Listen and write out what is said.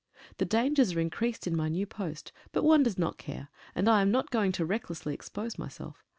The dangers are increased in my new post, but one does not care, and I am not going to recklessly ex pose myself.